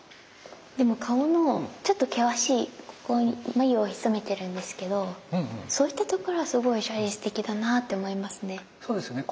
でも顔のちょっと険しい眉をひそめてるんですけどそういったところはすごい写実的だなって思いますね。